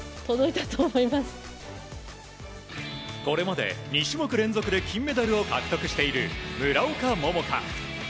これまで２種目連続で金メダルを獲得している村岡桃佳。